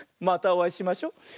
またおあいしましょ。